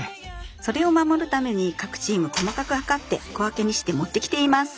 それを守るために各チーム細かく量って小分けにして持ってきています。